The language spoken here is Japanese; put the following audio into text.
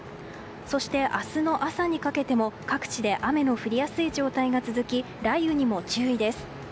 そして、明日の朝にかけても各地で雨の降りやすい状態が続き雷雨にも注意です。